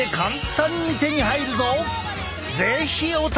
是非お試しあれ！